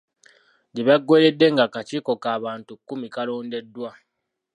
Gye byaggweeredde ng'akakiiko k'abantu kkumi kaalondeddwa